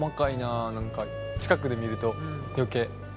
何か近くで見ると余計。